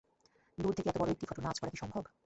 দূর থেকে এত বড় একটি ঘটনা আঁচ করা কি সম্ভব?